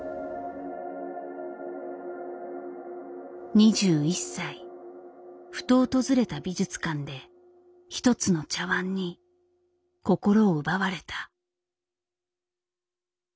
２１歳ふと訪れた美術館で一つの茶碗に心を奪われた。